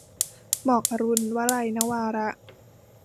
หมอกอรุณ - วลัย นวาระ